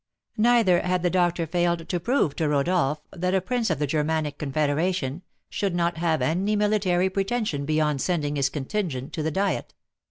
Neither had the doctor failed to prove to Rodolph that a prince of the Germanic Confederation should not have any military pretension beyond sending his contingent to the Diet.